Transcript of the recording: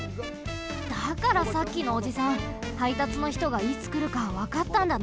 だからさっきのおじさんはいたつのひとがいつくるかわかったんだね。